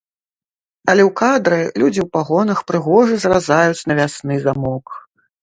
Але ў кадры людзі ў пагонах прыгожа зразаюць навясны замок.